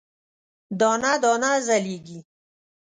دانه، دانه ځلیږې